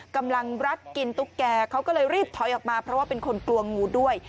กำลังรัดกินตุ๊กแก่เขาก็เลยรีบถอยออกมาเพราะว่าเป็นคนกลัวงูด้วย